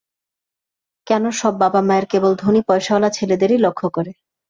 কেন সব বাবা-মায়ের কেবল ধনী, পয়সাওয়ালা ছেলেদেরই লক্ষ্য করে।